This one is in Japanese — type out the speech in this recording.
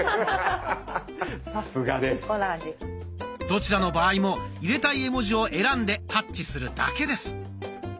どちらの場合も入れたい絵文字を選んでタッチするだけです。